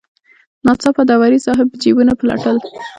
ناڅاپه داوري صاحب جیبونه پلټل.